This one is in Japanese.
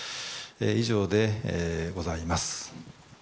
以上でございます。